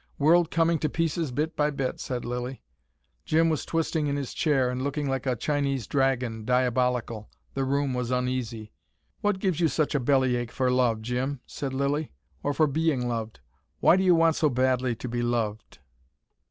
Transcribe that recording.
"World coming to pieces bit by bit," said Lilly. Jim was twisting in his chair, and looking like a Chinese dragon, diabolical. The room was uneasy. "What gives you such a belly ache for love, Jim?" said Lilly, "or for being loved? Why do you want so badly to be loved?"